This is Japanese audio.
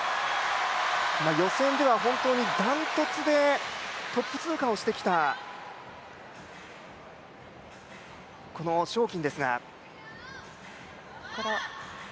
予選では本当に断トツでトップ通過をしてきたこの章キンですが。